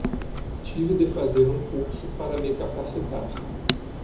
Tive de fazer um curso para me capacitar